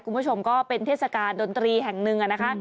คุณผู้ชมก็เป็นเทศกาลดนตรีแห่งหนึ่งนะคะ